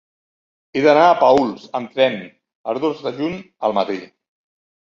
He d'anar a Paüls amb tren el dos de juny al matí.